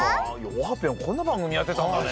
オハぴょんこんなばんぐみやってたんだね。